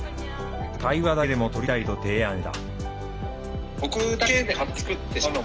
対話だけでも撮りたいと提案した。